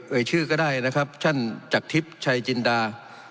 เอ่ยชื่อก็ได้นะครับฉันจากทฤษฐ์ชายจินดา